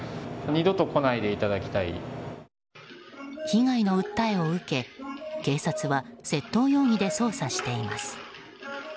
被害の訴えを受け警察は窃盗容疑で捜査しています。